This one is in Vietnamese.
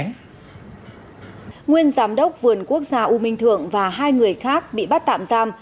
nguyên giám đốc vườn quốc gia u minh thượng và hai người khác bị bắt tạm giam